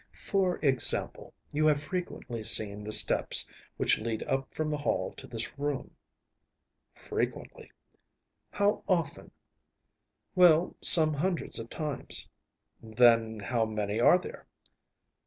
For example, you have frequently seen the steps which lead up from the hall to this room.‚ÄĚ ‚ÄúFrequently.‚ÄĚ “How often?‚ÄĚ “Well, some hundreds of times.‚ÄĚ “Then how many are there?